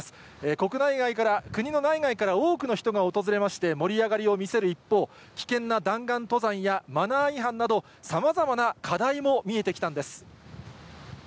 国内外から、国の内外から多くの人が訪れまして、盛り上がりを見せる一方、危険な弾丸登山やマナー違反など、さまざまな課題も見えてきたんです。